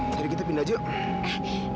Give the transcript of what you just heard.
mari kita pindah jok